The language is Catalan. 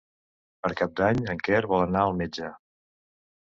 Per Cap d'Any en Quer vol anar al metge.